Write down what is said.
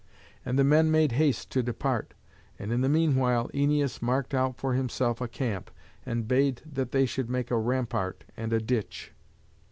And the men made haste to depart; and in the meanwhile Æneas marked out for himself a camp, and bade that they should make a rampart and a ditch.